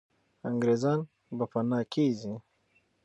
انګریزان به پنا کېږي.